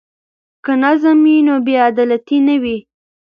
که نظم وي نو بې عدالتي نه وي.